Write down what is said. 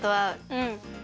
うん。